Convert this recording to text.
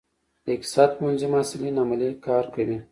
د اقتصاد پوهنځي محصلین عملي کار کوي؟